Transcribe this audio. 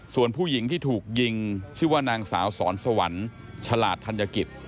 ส่วนผู้หญิงที่ถูกยิงชื่อว่านางสาวสอนสวรรค์ฉลาดธัญกิจ